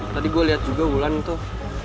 tadi gue liat juga ulan tuh